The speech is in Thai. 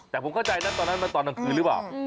แต่ผมเข้าใจนะตอนนั้นตอนนั้นคือหรือเปล่า